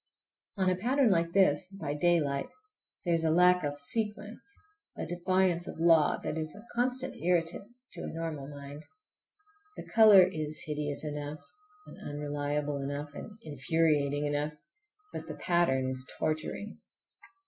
On a pattern like this, by daylight, there is a lack of sequence, a defiance of law, that is a constant irritant to a normal mind. The color is hideous enough, and unreliable enough, and infuriating enough, but the pattern is torturing.